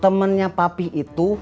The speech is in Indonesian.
temennya papi itu